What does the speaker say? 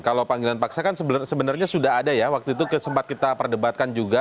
kalau panggilan paksa kan sebenarnya sudah ada ya waktu itu sempat kita perdebatkan juga